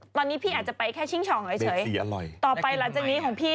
ตอนนี้พี่อาจจะไปแค่ชิงช่องเฉยต่อไปหลังจากนี้ของพี่